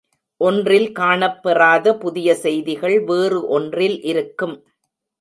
ஒன்றில் காணப்பெறாத புதிய செய்திகள் வேறு ஒன்றில் இருக்கும்.